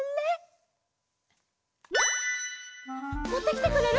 もってきてくれる？